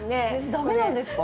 だめなんですか？